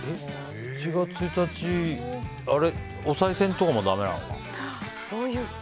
１月１日おさい銭とかもだめなのかな？